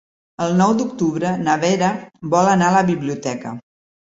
El nou d'octubre na Vera vol anar a la biblioteca.